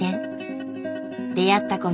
出会った子